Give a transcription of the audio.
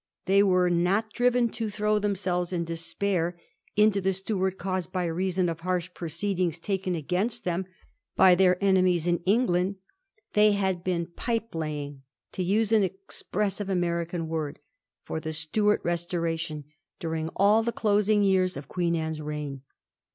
They were not driven to throw them selves in despair into the Stuart cause by reason of harsh proceedings^ taken against them by their enemies in England ; they had been ' pipe la3dng,' to use an expressive American word, for the Stuart restoration during all the closing years of Queen Anne's reign.